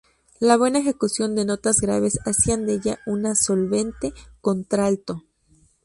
La buena ejecución de notas graves hacían de ella una solvente contralto.